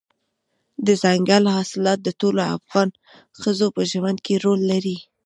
دځنګل حاصلات د ټولو افغان ښځو په ژوند کې رول لري.